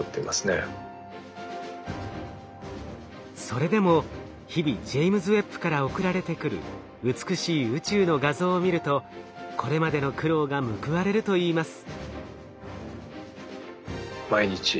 それでも日々ジェイムズ・ウェッブから送られてくる美しい宇宙の画像を見るとこれまでの苦労が報われるといいます。